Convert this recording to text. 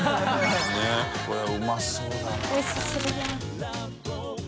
佑これうまそうだな。